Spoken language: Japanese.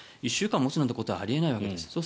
１週間持つなんてことはあり得ないわけです。